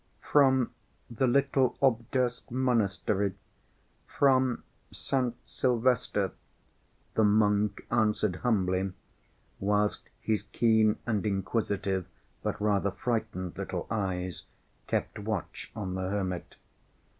"From the little Obdorsk monastery, from St. Sylvester," the monk answered humbly, whilst his keen and inquisitive, but rather frightened little eyes kept watch on the hermit.